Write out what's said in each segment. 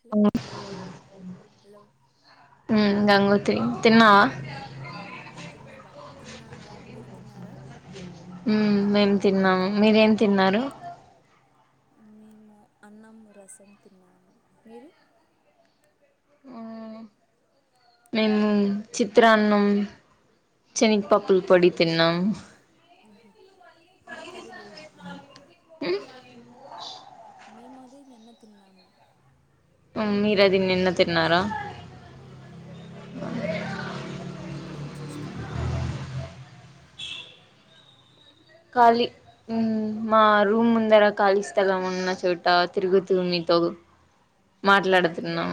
Hello ఉమ్ hello Gangotri తిన్నావా ఆ తిన్నా బా తిన్నా నువ్వు మీరు తిన్నారా మేం తిన్నాము మీరేం తిన్నారు మేము అన్నం రసం తిన్నాము మీరు మేము చిత్రాన్నం శనగపప్పులు పొడి తిన్నాము మా అక్కది నిన్నా మ్ మేము అది నిన్న తిన్నాము మీరు అది నిన్న తిన్నారా అవును [inaudible] ఇప్పుడు ఎంచేస్తున్నారు ఖాళీ మా రూమ్ ముందర ఖాళీ స్థలం ఉన్న చోట తిరుగు తుమి తగు మాట్లాడుతున్నాం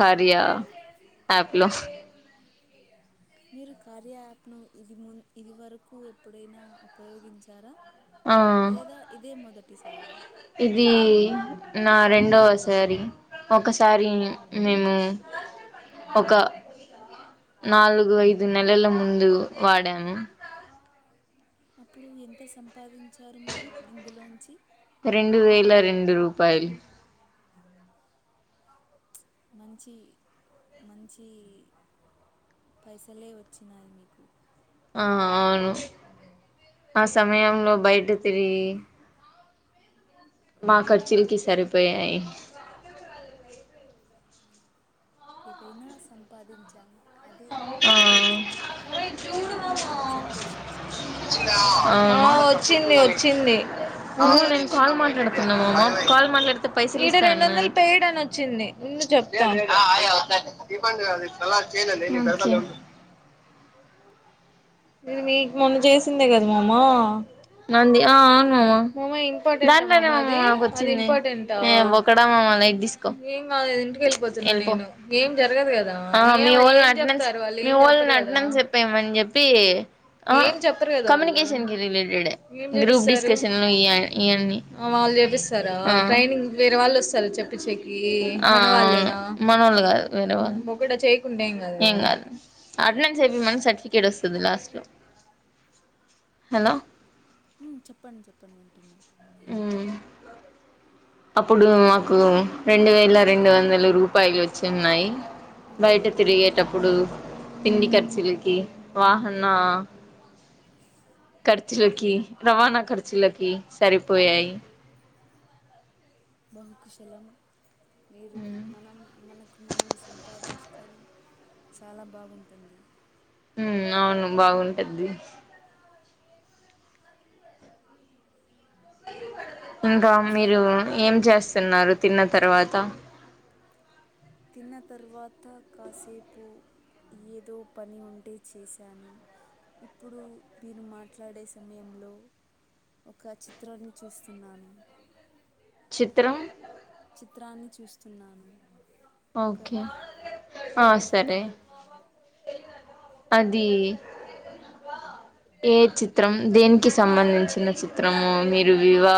కార్య అవును యాప్ లో మీరు కార్య యాప్ ను ఇది ము ఇది వరకు ఎప్పుడైనా ఉపయోగించారా ఆ లేదా ఇదే మొదటిసారా ఇది నా రెండోసారి ఒకసారి మేము ఒక నాలుగు ఐదు నెలల ముందు వాడాము అప్పుడు ఎంత సంపాదించారు మీరు ఇందులోంచి రెండు వేల రెండు రూపాయలు మంచి మంచి పైసలే వచ్చినాయి మీకు ఆ అవును ఆ సమయంలో బయట తిరిగి మా ఖర్చుల్కి సరిపోయాయి ఏదైనా సంపాదించాము అది ఆ దానితో తృప్తి పడాలి. సంతోషించాలి. ఆ వచ్చింది వచ్చింది ఈడ రెండు వందలు పెయిడ్ అని వచ్చింది చెప్తా ఓకే నీకు మొన్న చేసిందే గదా మామ అ అవునూ మామ దాంట్లో నే మామ నాకొచ్చింది ఎ బొక్కడా మామ ఏం గాదు గదా ఇంటికెళ్ళిపోతునా నేను ఏం జరగదు గదా [unintelligible] ఈ వొళ్ళు నడ్నం చెప్పేయ మని చెప్పి కమ్యనికషన్ రిలేటెడె ఈ గ్రూప్ డిస్కన్ ఇయాన్ని ట్రైనింగ్ వేరే వాళ్ళు వస్తారా చెప్పిచ్చేకి మనవాళ్లేనా ఏం గాదు అటెండెన్స్ ఏపిమను సర్టీ ఏడుస్తుంది లాస్ట్ లో మ్ చెప్పండి చెప్పండి వింటున్నా మ్మ్ అప్పుడు మాకు రెండు వేల రెండు వందల రూపాయలు వచ్చి ఉన్నాయి. మ్మ్, బయట తిరిగేటప్పుడు తిండి ఖర్చులకి వాహన ఖర్చులకి రవాణా ఖర్చులకి ఆ, సరిపోయాయి బహుకుశలం మీరు మనం మనకు మనం సంపాదించుకు పని చాలా బాగుంటుంది మ్ అవును బాగుంటుంది. ఇంకా మీరు ఏం చేస్తున్నారు తిన్న తర్వాత తిన్న తర్వాత కాసేపు ఏదో పని ఉంటే చేశాను ఇప్పుడు మీరు మాట్లాడే సమయంలో ఒక చిత్రాన్ని చూస్తున్నాను చిత్రం చిత్రాన్ని చూస్తున్నాను ఒక ఓకే ఆ సరే చిత్రం అది ఏ చిత్రం దేనికి సంబంధించిన చిత్రము మీరు వివా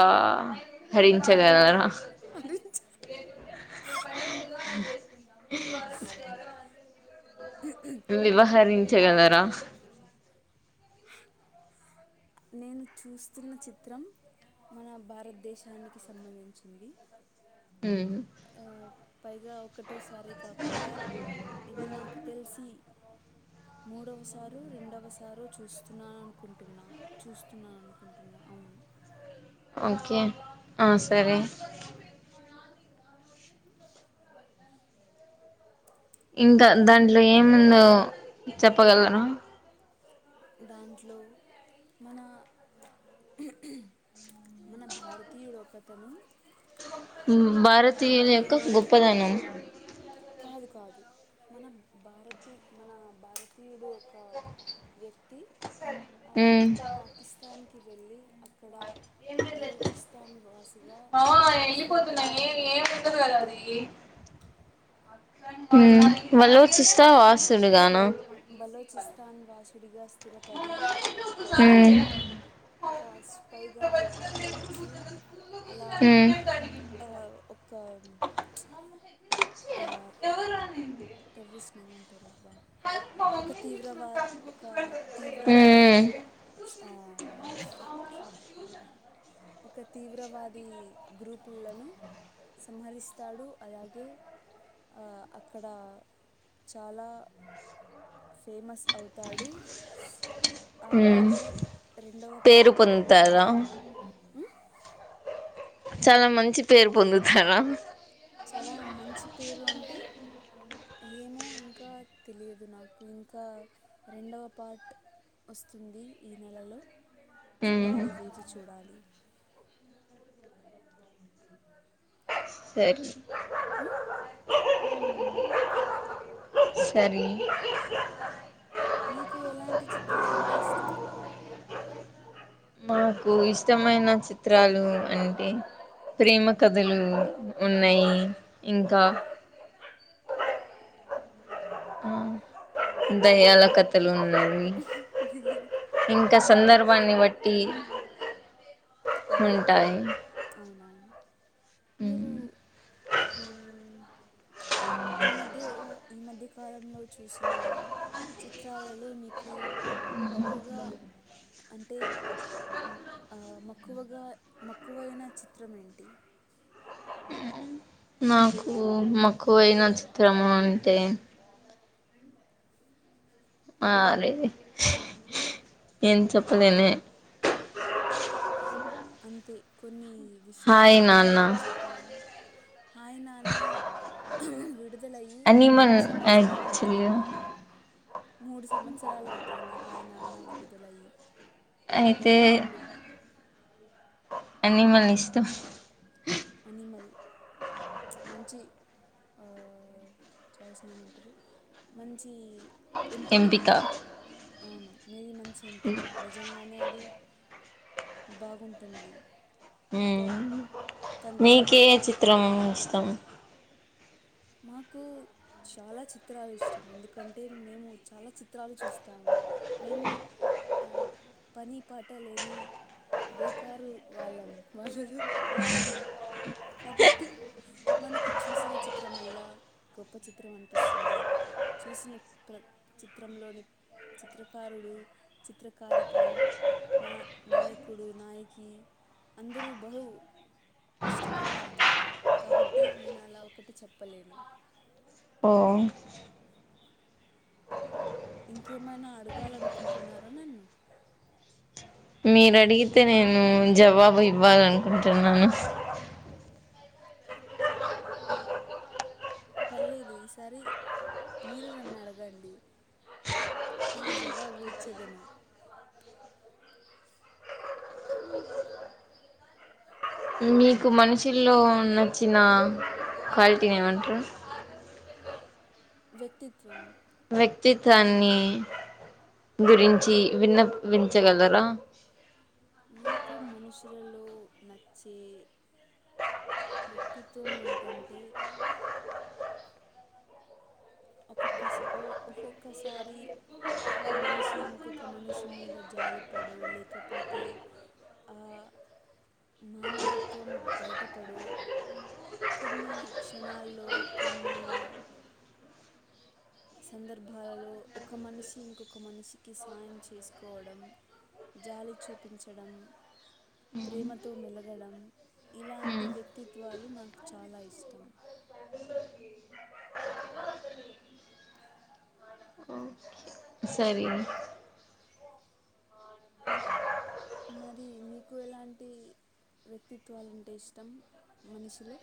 హరించ [unintelligible] హరించ వివహరించగలరా నేను చూస్తున్న చిత్రం మన భారతదేశానికి సంబంధించింది మ్ పైగా ఒకటోసారే కాకుండా ఇది నాకు తెల్సి మూడవసారొ రెండవసారొ చూస్తున్నానునుకుంటున్నా చూస్తున్నానునుకుంటున్నాను అవును ఓకే ఆ సరే ఇంక ఇంకే దాంట్లో ఏముందో చెప్పగలను దాంట్లో మనా మన భారతీయుడు ఒకతను మ్ భారతీయుల మన యొక్క గొప్పదనం కాదు కాదు మన భారతీ మన భారతీయుడు క వ్యక్తి అ ఉమ్ పాకిస్తాన్కి వెళ్ళి అక్కడా అ అక్కడ స్థిరపడి ఎళ్ళిపోతున్నానే ఏమ్ ఉండదు గదా అది మ్ వాళ్ళూ సిస్తా వాసుడుగానా బలోచిస్తాన్ వాసుడిగా స్థిరపడి మ్ అక్కడ ఒక స్పైగా వ్యవహరించి అలా ఉమ్ ఆ ఒకా ఆ టెర్రరిస్ట్ నేమంటరు అబ్బా ఒక తీవ్ర వా ఒకా తీవ్రా ఉమ్ స్ ఆ ఒక తీవ్రవాదీ గ్రూపుల్లనూ సంహరిస్తాడు అలాగే ఆ అక్కడా చాలా ఫేమస్ అవుతాడూ ఆ ఉమ్ మళ్ళీ రెండవ పేరు పాట్ ఈ పొందుతారా చాలా మంచి పేర్ పొంధుతారా చాలా మంచి పేరు అంటే ఏమో ఇంకా తెలీద్ నాకు ఇంకా రెండవ పార్ట్ ఒస్తుంది ఈ నెలలో ఉమ్ చూడాలి వేచి చూడాలి సరె మ్ సరీ మీకు ఎలాంటి చిత్రాలంటె ఇష్టం మాకూ ఇష్టమైన చిత్రాలు అంటే ప్రేమ కథలూ ఉన్నయ్ ఇంకా ఆ దయ్యాల కథలూ దెయ్యాలు ఇంక మ్, సందర్భాన్ని బట్టీ ఉంటాయి ఔనా మీరూ మ్ ఈ మధ్య ఎదొ మధ్య కాలంలో చూసినా చిత్రాలలో మీకూ బహుగా అంటే మ్ ఆ మ అక్కువగా మక్కువైన చిత్రం ఏంటి మ్ నాకు మక్కువైన చిత్రము అంటే ఆ అరే ఏం చెప్పలేనే [inaudible] అంతే కొన్నీ విషయాలు హాయ్ మనం నాన్న చెప్పలేము హయ్ నాన్న విడు దలయ్యి అనిమల్ మూడ్ సంవత్సరాల్ యాక్చువల్గా అవ్తోంది మూడు సంవత్సరాలవుతోంది హాయ్ నాన్న విడుదలయ్యి. అయితే లేదా రెండు. అన్నీ మన ఇష్టం. అనిమల్ మంచి ఆ చాయిస్నేమంటరు మంచి ఎంపిక ఎంపికా అవును మీ మంచి ఎంపిక నిజంగానే అది బాగుంటుంది. ఒక హ్మ్ తండ్రి నీకే గురించి చిత్రం ఇష్టం. మాకు చాలా చిత్రాలు ఇష్టం. ఎందుకంటే మేము చాలా చిత్రాలు చూస్తాము. మేము ఆ పనీ పాట లేని బేకారు వాళ్ళం, వాళ్ళలో ఒకరిని. కాబట్టి మనకు చూసిన చి త్రం మళ్ళా గొప్ప చిత్రం అనిపిస్తుంది. చూసిన ప్ర చిత్రంలోని చిత్రకారుడు, చిత్రకారిక నా నాయకుడు నాయకి అందరూ బహు ఇష్టపడతాను నేను, కాబట్టి నేను అలా ఒక్కటి చెప్పలేను. ఓ ఇంకేమైనా అడగాలనుకుంటున్నారా నన్ను. మీరు అడిగితే నేను జవాబు ఇవ్వాలనుకుంటున్నాను. పర్లేదు ఈసారి మీరు నన్ను అడగండి. నేను జవాబు ఇచ్చేదను. మీకు మనుషుల్లో నచ్చిన క్వాలిటీని ఏమంటరు. వ్యక్తిత్వం. వ్యక్తిత్వాన్ని గురించి విన్న వించగలరా. నాకు మనుషులలో నచ్చే వ్యక్తిత్వం ఏంటంటే ఒక్కొక్కస ఒ ఒక్కొక్కసారి ఒక మనిషి ఇంకొక మనిషి మీద జాలి పడో లేకపోతే ఆ మానవత్వం బయటపడో కొన్ని క్షణాల్లో కొన్ని సందర్భాలలో ఒక మనిషి ఇంకొక మనిషికి సాయం చేసుకోవడం జాలి చూపించడం, ప్రేమతో మెలగడం ఇలాంటి మ్మ్ వ్యక్తిత్వాలు నాకు చాలా ఇష్టం. సరే మరి మీకు ఎలాంటి వ్యక్తిత్వాలుంటే ఇష్టం మనిషిలో.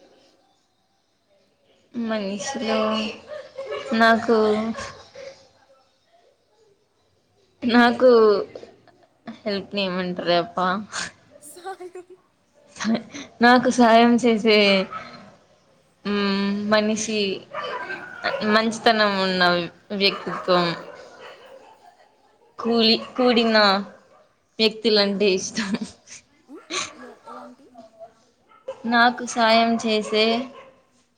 మనిషిలో నాకు నాకు హెల్ప్ నేమంటరే అబ్బా సాయం నాకు సాయం చేసే హ్ మనిషి మంచితనం ఉన్న వ్యక్తిత్వం కూలి కూడిన వ్యక్తులంటే ఇష్టం. ఉమ్, ఎ ఎలాంటివి? నాకు సాయం చేసే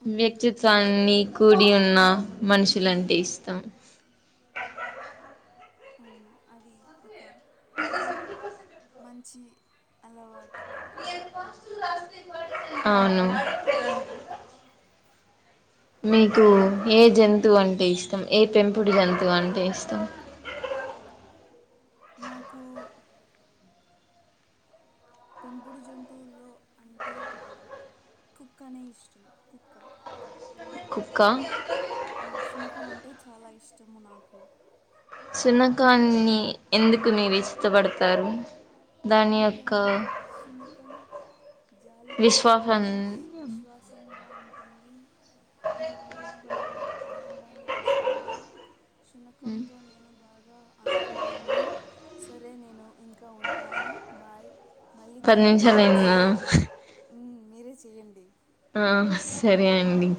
ఉమ్, వ్యక్తిత్వాన్ని కూడిఉన్నా ఉమ్, మనుషులంటే ఇస్తం. అవును అది ఒక [inaudible] మంచి అలవాటు అవును మీకు ఇంక్ ఏ జంతువు అంటే ఇష్టం ఏ పెంపుడు జంతువు అంటే ఇష్టం మాకు పెంపుడు జంతువుల్లో అంటే కుక్కనే ఇష్టం కుక్క కుక్క ఆ శునకం అంటే చాలా ఇష్టము నాకు సునకాన్ని ఎందుకు మీరు ఇష్టపడతారు. దాని యొక్క ఎందుకంటే సునకం జాలితో విశ్వాసం ఉంటుంది, విశ్వాసంగా ఉంటుంది నాకు పైగా ఆనందాన్ని తెస్తుంది. శునకంతో నేను బాగా ఆడుకోగలను సరే నేను ఇంకా టాను బాయ్ మళ్ళీ పది తిరిగి నిమిషాలు కాల్స్ అయిందా మీరే చేయండి. ఆ సరే అండి